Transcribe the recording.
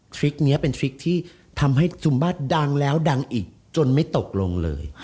คลิปนี้เป็นทริคที่ทำให้ซุมบ้าดังแล้วดังอีกจนไม่ตกลงเลย